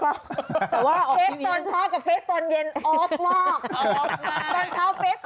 แต่ว่าออฟที่แฟสตอนเช้ากับเฟสตอนเย็นออฟมาก